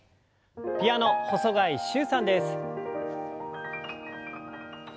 ピアノ細貝柊さんです。